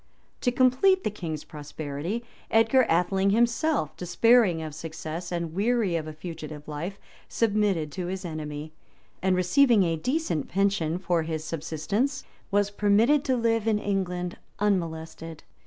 To complete the king's prosperity, Edgar Atheling himself, despairing of success, and weary of a fugitive life, submitted to his enemy; and receiving a decent pension for his subsistence, was permitted to live in England unmolested.